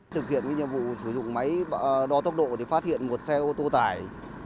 thực hiện nhiệm vụ sử dụng máy đo tốc độ thì phát hiện một xe ô tô tải